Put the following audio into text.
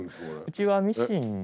うちはミシンで。